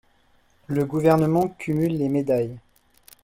Le Gouvernement cumule les médailles